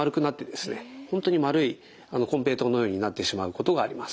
本当に丸いこんぺいとうのようになってしまうことがあります。